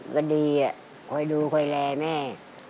ก็ดีคอยดูคอยแรร์แม่